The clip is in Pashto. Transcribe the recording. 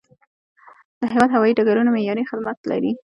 د هیواد هوایي ډګرونه معیاري خدمات لري.